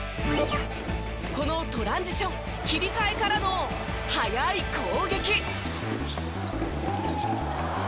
このトランジション切り替えからの速い攻撃。